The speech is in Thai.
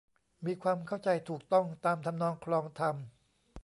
มีความเข้าใจถูกต้องตามทำนองคลองธรรม